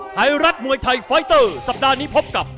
ไทยรัฐมวยไทยไฟเตอร์สัปดาห์นี้พบกับ